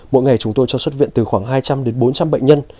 mỗi ngày chúng tôi cho xuất viện từ khoảng hai trăm linh đến bốn trăm linh bệnh nhân